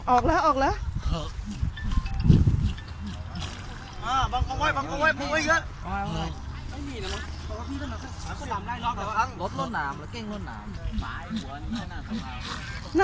ออกแล้วออกแล้ว